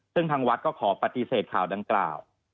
ซึ่งทางวัดก็ขอปฏิเสธข่าวดังกล่าว